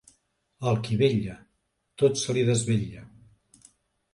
Al qui vetlla, tot se li desvetlla.